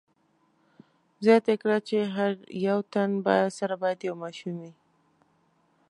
زیاته یې کړه چې هر یو تن سره باید یو ماشوم وي.